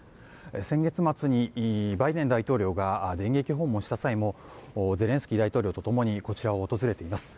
先月末にバイデン大統領が電撃訪問した際もゼレンスキー大統領とともにこちらを訪れています。